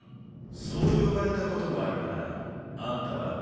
そう呼ばれたこともあるなぁ。あんたは？